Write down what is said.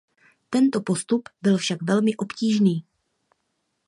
Tento postup byl však velmi obtížný.